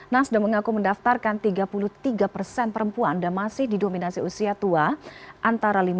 nasdem mengaku mendaftarkan tiga puluh tiga persen perempuan dan masih didominasi usia tua